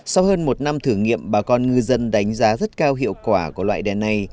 sau hơn một năm thử nghiệm bà con ngư dân đánh giá rất cao hiệu quả của loại đèn này